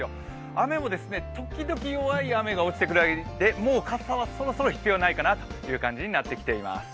雨も時々弱い雨が落ちてくるぐらいでもう傘はそろそろ必要ないかなという感じになってきています。